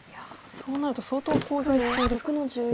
そうなると相当コウ材必要ですか。